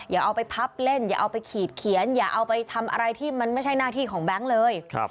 อย่าเอาไปพับเล่นอย่าเอาไปขีดเขียนอย่าเอาไปทำอะไรที่มันไม่ใช่หน้าที่ของแบงค์เลย